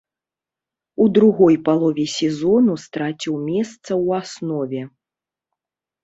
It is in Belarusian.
У другой палове сезону страціў месца ў аснове.